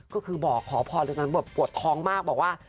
ก็คือบอกขอพรตอนนั้นปวดท้องมากบอกว่า